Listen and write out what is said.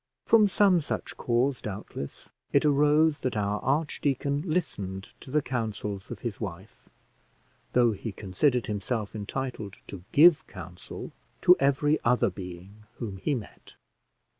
From some such cause, doubtless, it arose that our archdeacon listened to the counsels of his wife, though he considered himself entitled to give counsel to every other being whom he met.